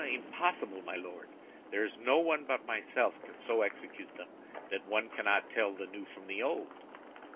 "Impossible, my Lord! There is no one but myself can so execute them that one cannot tell the new from the old."